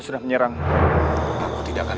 jadi g lieutenant gotta go